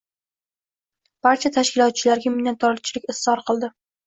Barcha tashkilotchilarga minnatdorlik izhor qildi